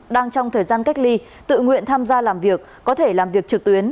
đang trong thời gian cách ly tự nguyện tham gia làm việc có thể làm việc trực tuyến